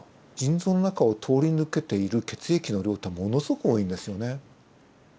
腎臓の中を通り抜けている血液の量ってものすごく多いんですよね。